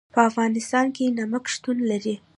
په افغانستان کې نمک شتون لري.